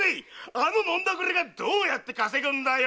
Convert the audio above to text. あの飲んだくれがどうやって稼ぐんだよ。